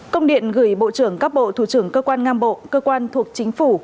công điện gửi bộ trưởng các bộ thủ trưởng cơ quan ngang bộ cơ quan thuộc chính phủ